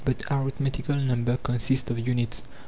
but arithmetical number consists of units.